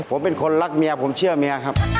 ผมเป็นคนรักเมียผมเชื่อเมียครับ